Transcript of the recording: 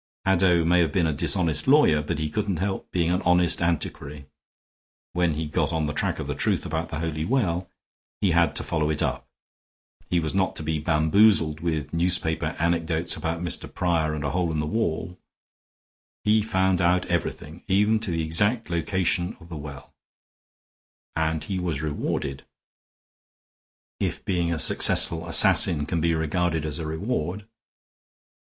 Haddow may have been a dishonest lawyer, but he couldn't help being an honest antiquary. When he got on the track of the truth about the Holy Well he had to follow it up; he was not to be bamboozled with newspaper anecdotes about Mr. Prior and a hole in the wall; he found out everything, even to the exact location of the well, and he was rewarded, if being a successful assassin can be regarded as a reward."